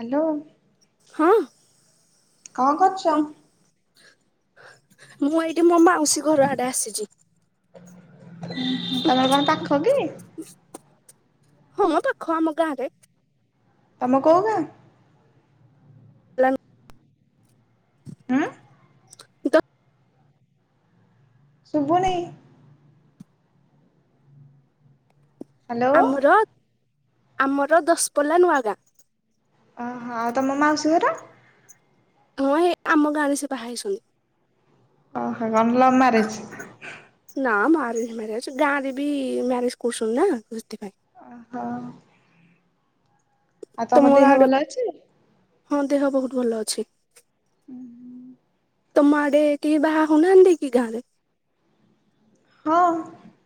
Hello. ହଁ। କଣ କରୁଛ? କ ମୁଁ ଏଇଠି ମୋ ମାଉସୀ ଘର ଆଡେ ଆସିଛି। ତମର କଣ ପାଖ କିି? ହଁ ମୋ ପାଖ ଆମ ଗାଁରେ। ତମ କୋଉ ଗାଁ? [unintelligible] ଆଁ। ତୁ ଶୁଭୁନି। ହ୍ୟାଲୋ ଆମର ଆମର ଦଶପଲା ନୂଆଗାଁ। ଓହୋ ଆଉ ତମ ମାଉସୀ ଘର? ହଁ ଏ ଆମ ଗାଁରେ ସେ ବାହା ହେଉଛନ୍ତି। ଓହୋ କଣ ଲବ୍ ମ୍ୟାରେଜ? ନା ମ ଆରେଞ୍ଜ ମ୍ୟାରେଜ ଗାଁରେ ବି ମ୍ୟାରେଜ କରୁଛନ୍ତି ନା ସେଥିପାଇଁ। ଓ ହୋ। ଆଉ ତମ ତମର ଦିହ ଆଡେ ଭଲ ଅଛି। ହଁ ଦେହ ବହୁତ ଭଲ ଅଛି। [unintelligible] ତମ ଆଡ଼େ କେହି ବାହା ହଉନାହାନ୍ତି କି ଗାଁରେ? ହଁ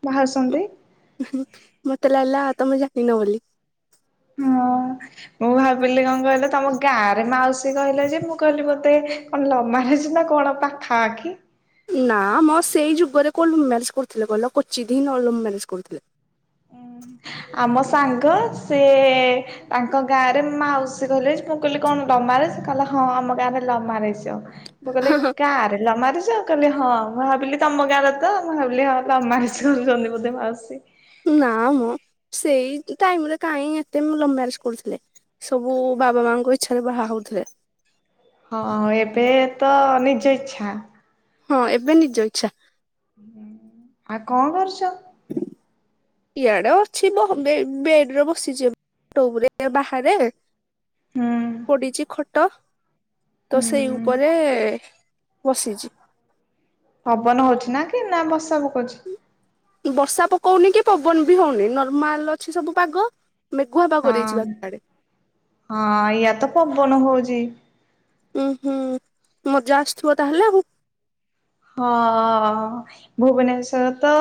ବାହା ହଉଛନ୍ତି। ମତେ ଲାଗିଲା ତମେ ଜାଣିନ ବୋଲି। ହଁ ମୁଁ ଭାବିଲି କଣ କହିଲ ତମ ଗାଁ ରେ ମାଉସୀ କହିଲ ଯେ ମୁଁ କହିଲି ବୋଧ୍ ଧେ କଣ ଲଭ ମ୍ୟାରେଜ୍ ନା କଣ ପାଖାପାଖି। ନା ମୋ ସେଇ ଯୁଗରେ କୋ ଲଭ୍ ମ୍ୟାରେଜ କରୁଥିଲେ କହିଲ କ୍ଵଚିତ୍ ହିଁ ଲ-ଲଭ୍ ମ୍ୟାରେଜ କରୁଥିଲେ। ଆମ ସାଙ୍ଗ ସେ ତାଙ୍କ ଗାଁରେ ମାଉସୀ କହିଲେ ଯେ ମୁଁ କହିଲି କଣ ଲଭ୍ ମ୍ୟାରେଜ୍ ସେ କହିଲେ ହଁ ଆମ ଗାଁରେ ଲଭ୍ ମ୍ୟାରେଜ। ମୁୁ କହିଲି କାହାର ଲ ମାରୁଛ କହିଲି ହଁ ମୁଁ ଭାବିଲି ତମ କାଁରେ ତ ମୁଁ ଭାବିଲି ହଁମା କିଛି କରୁଛନ୍ତି ବୋଧେ ମାଉସୀ। ନା ମଁ ସେଇ ଟାଇମରେ କାହିଁ ଏତେମ୍ ମ୍ୟାରେଜ କରୁଥିଲେ ସବୁ ବାବା ମାଙ୍କ ଇଚଛାରେ ବାହା ହଉଥିଲେ। ହଁ ଏବେ ତ ନିଜ ଇଚ୍ଛା। ହଁ ଏବେ ନିଜ ଇଛା। ଆଉ କଣ କରୁଛ? ଇଆଡେ ଅଛି ବେଡରେ ବସିଛି ବାହାରେ ହୁଁ ପଡିଛି ଖଟ। ତ ହୁଁ ସେଇ ଉପରେ ବସିଛି। ପବନ ହଉଛି ନା କି ନା ବର୍ଷା ପକଉଛି? ବର୍ଷା ପକଉନି କି ପବନ ବି ହଉନି ନର୍ମାଲ ଅଛି ସବୁ ପାଗ। ମେଘୁଆ ପାଗ ହଁ ଦେଇଛି ବାକି ଆଡେ ହଁ ଇଆଡେ ତ ପବନ ହଉଛି [unintelligible] ଉୁଁ ହୁଁ ମଜା ଆସୁଥିବ ତାହେଲେ ଆଉ। ହଁ ଭୁବନେଶ୍ଵର ତ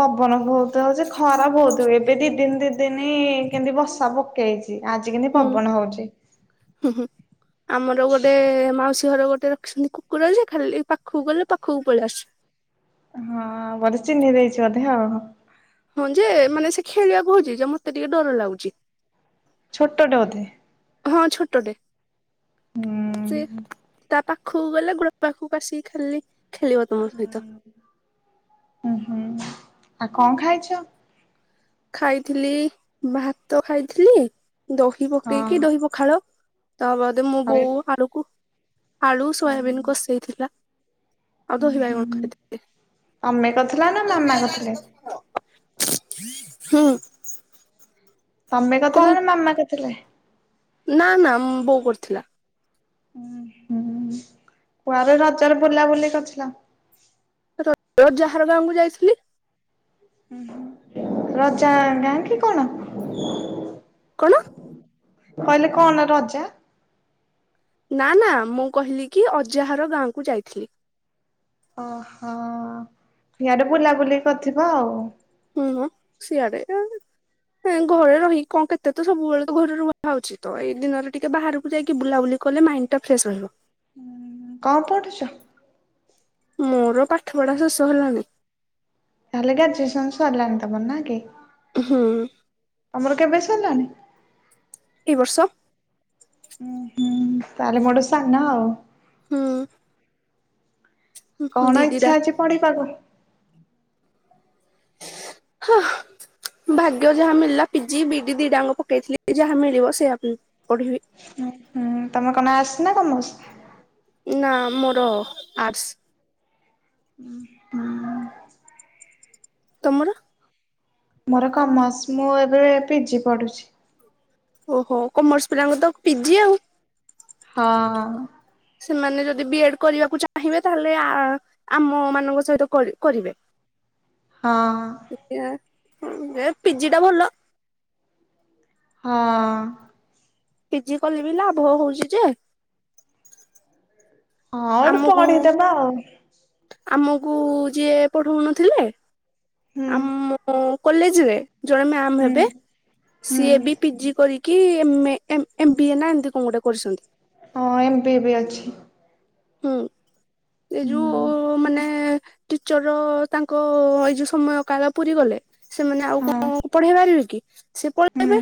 ପବନ ବହୁତ ହଉଛି। ଖରା ବହୁତ ହୁଏ ଏବେ ଦି ଦିନ ଦି ଦିନ କେମତି ବର୍ଷା ପକେଇଛି। ଆଜି କେମିତି ହୁଁଁ ପବନ ହଉଛି ହଁ ଆମର ଗୋଟେ ମାଉସୀ ର ଗୋଟେ ରଖିଛନ୍ତି କୁକୁର ଯେ ଖାଲି ପାଖକୁ ଗଲେ ପାଖକୁ ପଳେଇ ଆସୁଚି। ହଁ ବୋଧେ ଚୀନ୍ହି ଦେଇଛି ବୋଧେ ଆଉ। ହଁ ଯେ ମାନେ ସେ ଖେଳିବାକୁ ହଉଛି ଯେ ମତେ ଟିକେ ଡର ଲାଗୁଛି। ଛୋଟଟେ ବୋଧେ। ହଁ ଛୋଟଟେ ସେ ହୁଁ। ତା ପାଖକୁ ଗଲେ ଗୋଡା ପାଖକୁ ଆସିକି ଖାଲି ଖେଳିବ ତୁମ ସହିତ। ଉଁ ହୁଁ ଆଉ କଣ ଖାଇଛୁ? ଖାଇଥିଲି ଭାତ ଖାଇଥିଲି ଦହି ହଁ ପକେଇକି ଦହି ପଖାଳ ତା ବୋଧେ ମୋ ଆଉ ଏ ବୋଉ ଆଳୁକୁ ଆଳୁ ସୋୟାବିନ୍ ହୁଁ କଷେଇଥିଲା। ଆଉ ଉଁ ଦହି ବାଇଗଣ ଖାଇଥିଲି। ଥିଲା ନା ମାମା କରିଥିଲେ। ହୁଁ। ତମେ କଣ କରିଥିଲ ନା ମାମା କରିଥିଲେ। ନା ନା ବୋଉ କରିଥିଲା। ଉ ହୁଁ କୁଆଡ ରଜରେ ବୁଲାବୁଲି କରିଥିଲ? ରଜ [unintelligible] ରେ ମୁଁ ଯାଇଥିଲି ହୁଁ ରଜା ଗାଁ କି କଣ? କଣ କହିଲେ କଣ ନା ରଜା ନା ନା ମୁଁ କହିଲି କି ଅଜାହାର ଗାଁ କୁ ଯାଇଥିଲି। ଓହୋ ଇଆଡେ ବୁଲା ବୁଲିି କରିଥିବ ଆଉ। ହୁଁ ହଁ ସିଆଡେ ଘରେ ରହିକି କଣ କେତେ ତ ସବୁବେଳେ ଘରେ ରୁହଉଛି ତ ଏଇ ଦିନରେ ଟିକେ ବାହାରକୁ ଯାଇକି ବୁଲାବୁଲି କଲେ ମାଇଣ୍ଡ ଟା ଫ୍ରେଶ ରହିବ। କଣ ପଢ଼ୁଛ? ମୋର ପାଠ ପଢା ଶେଷ ହେଲାଣି। ତାହଲେ ଗ୍ରାଜୁଏସନ୍ ସରିିଲାଣି ତମର ନା କି? ହୁଁ ତମର କେବେ ସରି [unintelligible] ଏ ବର୍ଷ। ହୁଁ ତାହେଲେ ମୋଡ ସାନ ଆଉ। ହୁଁ। କଣ ଦି ଦିଟା ଇଚ୍ଛା ଅଛି ପଢିବାକୁ? ହଁ ଭାଗ୍ୟ ଯାହା ମିଳିଲା ପିଜି ବିଡି ଦିଡାଙ୍କୁ ପକେଇଥିଲି ଯାହା ମିଳିବ ସେଆ ପଢିବି। ହୁଁ ତମେ କଣ ଆସ ନା କମର୍ସ? ନା ମୋର ଆର୍ଟସ୍। ଉହୁଁ। ତମର? ମୋର କମର୍ସ, ମୁଁ ଏବେ ପିଜି ପଢୁଛି। ଓହୋ କମର୍ସ ପିଲାଙ୍କୁ ତ ପିଜି ଆଉ। ହଁ। ସେମାନେ ଯଦି ବି ଏଡ୍ କରିବାକୁ ଚାହିଁବେ, ତାହେଲେ ଆମ ମାନଙ୍କ ସହିତ କରିବେ। ହଁ। ଏ ପିଜି ଟା ଭଲ। ହଁ। ପିଜି କଲେ ବି ଲାଭ ହଉଛି ଯେ। ହଁ ଗୋଟେ ଆମକୁ ପାଢ଼ୀ ଦେବା ଆଉ। ଆମକୁ ଯିଏ ପଢଉନଥିଲେ ହୁଁ ଆମ୍ ମୋ କଲେଜରେ। ଜଣେ ମ୍ୟାମ ହୁଁ। ହେବେ ହୁଁ ସିଏ ବି ପିଜି କରି କି ଏ ଏମ ବି ଏ ନା ଏମିତି କଣ ଗୋଟେ କରିଛନ୍ତି। ହଁ ଏମ ପି ବି ଅଛି। ହୁଁ। ଏଇ ହୁଁ ଯୋଉ ମାନେ ଟିଚର ତାଙ୍କ ଏଇ ଯୋଉ ସମୟ କାଳ ପୁରରିୀ ଗଲେ। ସେମାନେ ଆଉ ହଁ। କଣ ପଢେଇ ପାରିବେ କି? ସେ ହୁଁ ପଳେଇବେ,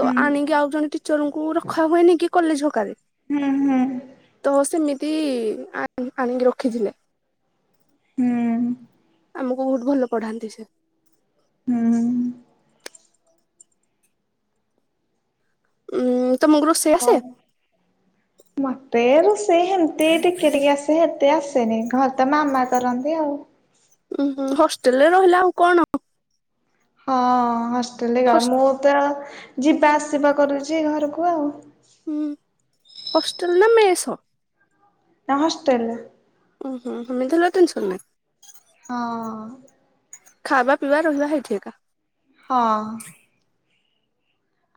ତ ହୁଁ ଆଣିକି ଆଉ ଜଣେ ଟିଚରଙ୍କୁ ରଖା ହୁଏନି କି କଲେଜ ହକାରେ ହୁଁ ହୁଁ ତ ସେମି କି ଆ ଆଣିକି ରଖିଥିଲେ। ହୁଁ। ଆମକୁ ବହୁତ ଭଲ ପଢାନ୍ତି ସେ। ହୁଁ ଉଁ ଉଁ ଉଁ। ହୁଁ। ତମକୁରୁୁ ରୋସେଇ ଆସେ? ମତେ ରୁ ସେ ହେମିତି ଟିକେ ଟିକିେ ଆସେ ହେତେ ଆସ ସେନି ଘର ତ ମାମା କରନ୍ତି ଆଉ। ଉଁ ହୁ ହଷ୍ଟେଲ ରେ ରହିଲା ଆଉ କଣ? ହଁ। ଏ ଇ ନିକା ହସ୍ ମୁତ ଯିବା ଆସିବା କରୁଛି ଘରକୁ ଆଉ। ହୁଁ ହଷ୍ଟେଲ ନା ମେସ୍? ଠ। ନାଁ ହଷ୍ଟେଲେ। ଉଁ ହୁଁ ହୋମଧାଲ ଟେନ୍ସନ ନାହିଁ। ହଁ। ଖାଇବା ପିଇବା ରହିବା ହେଇଠି ଏକା? ହଁ।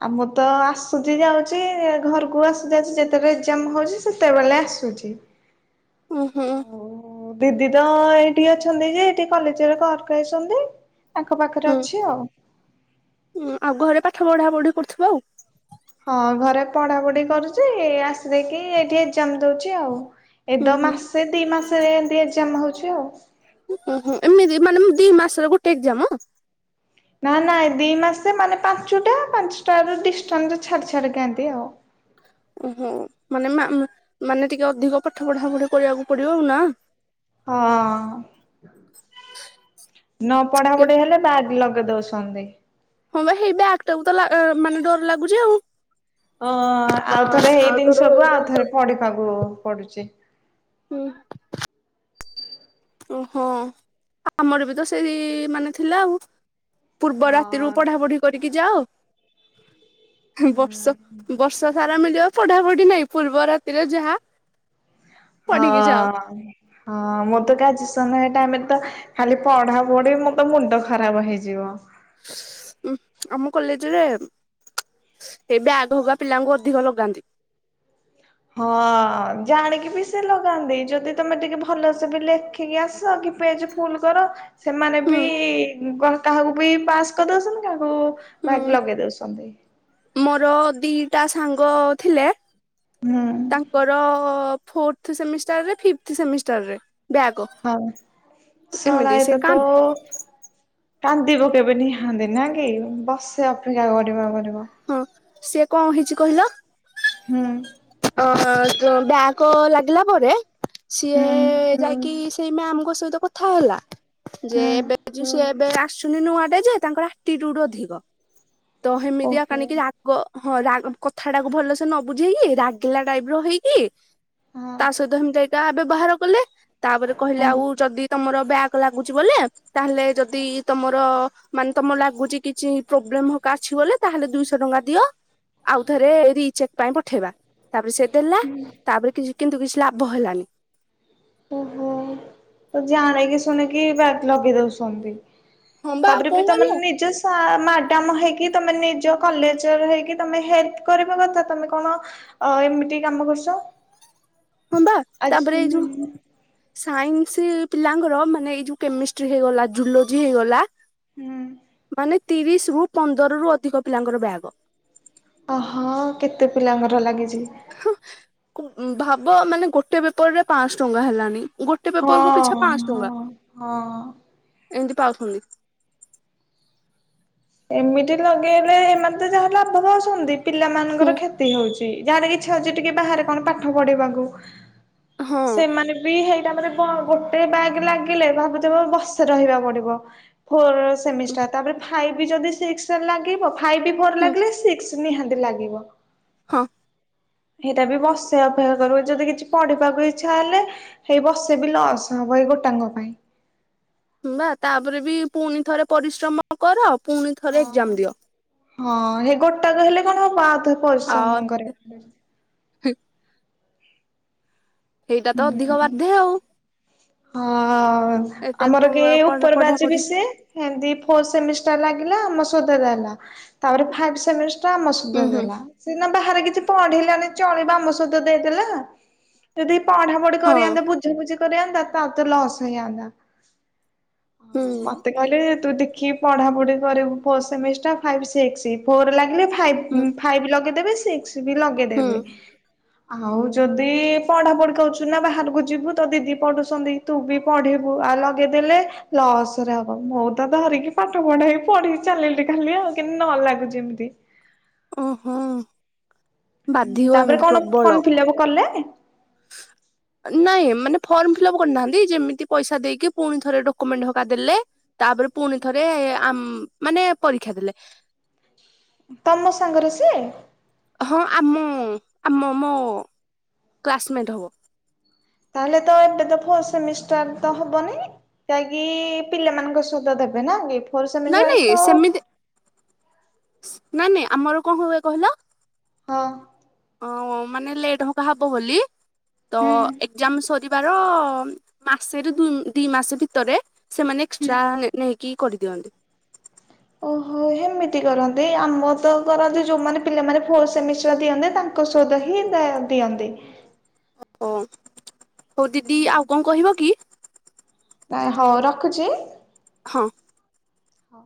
ଆମ ତ ଆସୁଛି ଯାଉଛି ଘରକୁ ଆସୁ ଯାଉଛି ଯେତେବେଳେ ଏଜାମ ହଉଛି ସେତେବେଳେ ଆସୁଛି। ହୁ ହୁଁ। ଆଉ ଦିଦି ତ ଏଇଠି ଅଛନ୍ତି ଯେ ଏଇଠି କଲେଜରେ ଘରକୁ ଆଇଛନ୍ତି। ତାଙ୍କ ପାଖରେ ହୁଁ ଅଛି ଆଉ। ଉଁ ଆଉ ଘରେ ପାଠ ବଢା ବଢି କରୁଥିବ ଆଉ। ହଁ ଘରେ ପଢାପଢି କରୁଛି ଆସି ଦେଇକି ଏଇଠି ଏକ୍ଜାମ ଦଉଛି ଆଉ। ହୁଁ ଏଦ ହୁଁ ମାସେ ଦି ମାସରେ ଏମତି ଜମା ହଉଛି। ଆଛି। ହୁ ହୁ ଏମିତି ମାନେ ଦି ମାସର ଗୋଟେ ଏକ୍ଜାମ ହ। ନା ନାଇ ଦି ମାସେ ମାନେ ପାଞ୍ଚଟା ପାଞ୍ଚଟ ର ଡିାନ୍ସ ଛାଡି ଛାଡି କିଏ ମିତି ଆଉ। ଓହୋ ମାନେ ମାନେ ଟିକେ ଅଧିକ ପାଠ ପଢା ପଢି କରିବାକୁ ପଡିବ ଆଉ ନା। ହଁ ନ ପଢାପଢି ହେଲେ ବା ଲଗ କଦ ସୌଛନ୍ଦି। ହଁ ବା ସେଇ ବ୍ୟାଗ ଟାକୁ ତ ମାନେ ଡର ଲାଗୁଛି ଆଉ। ଓ ଆଉ ହଁ ଥରେ ଆଉ ହେଇଦିନି ଥରେ ସବୁ ଆଉ ହେଇଯିବ। ଥରେ ପଢିପକୁ ପଡଛି। ହୁଁ। ଓହୋ ଆମର ବି ତ ସେଇ ମାନେ ଥିଲା ଆଉ। ପୂର୍ବ ହଁ ରାତିରୁ ପଢା ପଢି କରିକି ଯାଅ? ହୁଁ ବର୍ଷ ବର୍ଷ ସାର। ମିଳିବ ପଢାପଢି ନାହିଁ ପୂର୍ବ ରାତିରେ ଯାହା। ହଁ ପଢିକି ଯାଅ। ହଁ ମଁ ତ କାଜି ସମୟ ଟାଇମରେ ତ ଖାଲି ପଢା ପଢି ମୋର ତ ମୁଣ୍ଡ ଖରାପ ହେଇଯିବ। ଉ ଆମ କଲେଜରେ ଏଇ ବ୍ୟାଗ ହବା ପିଲାଙ୍କୁ ଅଧିକ ଲଗାନ୍ତି। ହଁ ଜାଣିକି ବି ସେ ଲଗାନ୍ତି ଯଦି ତମେ ଟିକେ ଭଲସେ ବି ଲେଖିକି ଆସ କି ପେଜ ଫୁଲ କର,। ସେମାନେ ହୁଁ ବି କାହାକୁ ବି ପାସ୍ କରି ଦଉଛନ୍ତି କାହାକୁ ହୁଁ ଭାଗ ଲଗେଇ ଦଉଛନ୍ତି। ମୋର ଦିଟା ସାଙ୍ଗ ଥିଲେ? ହୁଁ ତାଙ୍କର ଫୋର୍ଥ ସେମିଷ୍ଟାରରେ ଫିପଥ୍ ସେମିଷ୍ଟାର ରେ। ହଁ ଶଳା ଏମିତି ସେ କା ଏଟାତ କାନ୍ଦିବ କେବେ ନିହାନ୍ତି ନା କି ବର୍ଷେ ଅପେକ୍ଷା କରିବା ପରେ, ହଁ ସିଏ କଣ ହେଇଛି କହିଲ ହୁଁ। ଅ ଯଉ ବ୍ୟାକ ଲାଗିଲା ପରେ ସିଏ ହୁଁ ଯାଇକି ସେଇ ମ୍ୟାମଙ୍କ ସହିତ କଥା ହେଲା। ଯେ ହୁଁ ବଜୁ ସେ- ଏବେ ଆସୁନି ନୂଆଟା ଯେ ତାଙ୍କର ଆଟିଟିୟୁଡୁ ଅଧିକ। ତ ହେମିତିଆ ଓହୋ କାଣିକି ରାଗ ହଁ ରା କଥା ଟାକୁ ଭଲସେ ନ ବୁଝେଇକି ରା ରାଗିଲା ଟାଇପ ର ହେଇକି ହଁ ତା ସହିତ ଏମିତି ଏଇଟା ବ୍ୟବହାର କଲେ। ତାପରେ କହିଲେ ହଁ ଆଉ ଯଦି ତମର ବ୍ୟାକ ଲାଗୁଛି ବୋଲି। ତାହେଲେ ଯଦି ତମର ମାନେ ତମ ଲାଗୁଚ କିଛି ପ୍ରୋବ୍ଲେମ ଅଛି ବୋଲେ ତାହେଲେ ଦୁଇଶହ ଟଙ୍କା ଦିଅ ଆଉ ଥରେ ରିଚେକ୍ ପାଇଁ ପଠେଇବା। ତାପରେ ସେ ଦେଲା ତାପରେ କିଛି କିନ୍ତୁ କିଛି ଲା ବହେଲାଣି ଓହୋ ଜାଣିକିି ଶୁଣିକି ବ୍ୟାକ ଲଗେଇ ଦଉଛନ୍ତି। ହଁ ବା ଆଉ ତାପରେ କଣ ବି କରିବା ତମାନେ ନିଜ ସା ମ୍ୟାଡାମ ହେଇକି ତମେ ନିଜ କଲେଜରେ ହେଇକି ତମେ ହେଲ୍ପ କର କଥା ତମେ କଣ ଏମିତି କାମ କରୁଛ। ହଁ ବା ଆଜି ତାପରେ ହୁଁ ଏଇ ଯୋଉ ସାଇନ୍ସ- ପିଲାଙ୍କର ମାନେ ଏଇ ଯୋଉ କେମିଷ୍ଟ୍ରି ହେଇଗଲା ଜୁଲୋଜି ହେଇଗଲା ହୁଁ ମାନେ। ତିରିଶ ରୁ ପନ୍ଦର ରୁ ଅଧିକ ପିଲାଙ୍କର ବ୍ୟାକ। ଅହ କେତେ ପିଲାଙ୍କର ଲାଗିଛି, ଚି ଭାବ ମାନେ ଗୋଟେ ପେପର ରେ ପାଆଁଶ ଟଙ୍କା ହେଲାଣି। ଗୋଟେ ପେପର କୁ ପିଛା ହଁ ପାଞ୍ଚ ହଁ ହଁ ପାଉଛନ୍ତିି! ଏମିତି ଲଗେଇଲେ ଏମାନେ ତ ଯାହା ଲାଭ ପାଉଚନ୍ତି ପିଲାମାନାନଙ୍କର ହୁଁ। କ୍ଷତି ହଉଛି ଯାହାର ଇଚ୍ଛା ହଉଛି ଟିକେ ବାହାରେ କଣ ପାଠ ପଢିବାକୁ ହଁ ସେମାନେ ବି ହେଇ ମ ଗୋଟେ ବ୍ୟାଗ୍ ଲାଗିଲେ ଭାବୁଥ ବସେ ରହିବା ପଡିବ ଫୋର ସେମିଷ୍ଟ ତାପରେ ଫାଇଭ ଯଦି ସେସ ଲାଗିବ ଫାଇଭ୍ ବି ଫୋର୍ ଲାଗିଲେ ସିକ୍ସ! ନିହାତି ଲାଗିବ। ହଁ। ସେଇଟା ବି ବସେ ଅପେକ୍ଷା କରିବୁ ଯଦି କିଛି ପଢିବାକୁ ଇଛା ହେଲେ ସେଇ ବସେ ବି ଲସ୍ ହବ ଏଇ ଗୋଟାଙ୍କ ପାଇଁ? ବା ତାପରେ ବି ପୁଣି ଥରେ ପରିଶ୍ରମ କର ପୁଣି ଥରେ ଏକ୍ଜାମ ହଁ। ଦିଅ? ହଁ ହେ ଗୋଟାକ ହେଲେ କଣ ହ ବା ପରିଶ୍ରମ କରିବା ହ ସେଇଟା ତ ଅଧିକ ହୁଁ। ବାର୍ଦ୍ଧେ ଆଉ। ହଁ। ଏତେ ଆମର କି ଉପର ବାଜି ବି ପଢାପଢି ସି ଏମତି ଫୋ ସେମିଷ୍ଟାର ଲାଗିଲା ଆମ ତା ପରେ ମ ସୁଧା ହୁଁ ହୁଁ ଦେଲା ବାହାରେ କିଛି ପହଢେଇଲାଣି ଚଳି ବ ଆମ ସତ ଦେଇଲା ଯଦି ପଢା ପଢି ହଁ କରି ଆ ବୁଝ ବୁଝି କରତା ତା ତ ଲସ ହେଇ ଆତା ହ ହୁଁ ମତେକାଲି ତୁ ଦେଖି ପଢାପଢି କରିବୁ ଫମିଷ୍ଟର ଫ ସିକସ ଫୋ ଲାଗିଲେ ହୁଁ ଫାଇଭ ଫାଇଭ ଲଗେ ବେ ସିକ୍ସ ବି ହୁଁ ଲଗେଇଦବେ ଆଉ ଯଦି ପଢାପଢି କହୁଛୁ ନା ବାହାରକୁ ଯିବୁ ତ ଦିଦି ପଢୁଛନ୍ତି ତୁ ବି ପଢେଇିବୁ ଆଉ ଲଗେଇଦେଲେ ଲସରେ ହବ ମୁଁ ତ ଧରିକି ପାଠ ପଢେଇି ପଢି ଚାଲିଲି ଖାଲି ଆଉ କେ ନ ଲାଗୁଛି ଏମିତି। ଓହୋ। ହଁ ବାଧିବ ତାପରେ ଏମିତି କଣ ପ୍ରବଳ। ଫର୍ମ ଫିଲଅପ କଲେ? ନାଇଁ ମାନେ ଫର୍ମ ଫିଲପ କରିନାହାନ୍ତି। ଯେମିତି ପଇସା ଦେଇକି ପୁଣି ଥରେ ଡକୁୁମେଣ୍ଟ ଘରିକା ଦେଲେ ତାପରେ ପୁଣି ଥରେ ଆମ୍ ମାନେ ପରୀକ୍ଷା ଦେଲେ ତମ ସାଙ୍ଗରେ ସିଏ। ହଁ ଆମ ଆମ ମୋ କ୍ଲାସମେଟ୍ ହବ। ତାହଲେ ତ ଏବେ ତ ଫୋର୍ ସେମିଷ୍ଟାର ତ ହବନି ଯାଇକି ଇ ପିଲାମାନଙ୍କ ସହିତ ଦେବେ ନୀଟ। ନା ନାଇଁ ସେମିତି [inaudible] ନ ନାଇଁ। ଆମର କଣ ହୁଏ କହିଲ? ହଁ। ଅ ମାନେ ଲେଟ ହବା ହବା ବୋଲି ତ ହୁଁ ଏକ୍ଜାମ ସରି ଯିବାର ମାସରେ ଦୁ ଦି ମାସ ଭିତରେ ସେମାନେ ହୁଁ। ଏକ୍ସଟ୍ରା ନେ ନେହିକି କି କରିଦିଅନ୍ତି। ଓହୋ ହେମିତି କରନ୍ତି, ଆମର ତ କରନ୍ତି ଯୋଉମାନେ ପିଲାମାନେ ଫୋର୍ ସେମିଷ୍ଟାର୍ ଦିଅନ୍ତି ତାଙ୍କ ସହିତ ହିଁ ଦିଅନ୍ତି। ଓ [unintelligible] ହଉ ଦିଦି ଆଉ କଣ କହିବ? କି ହଉ ରଖୁଛି। ହଁ। ହଁ।